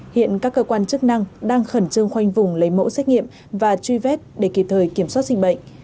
hiện các cơ quan chức năng đang khẩn trương khoanh vùng lấy mẫu xét nghiệm và truy vết để kịp thời kiểm soát dịch bệnh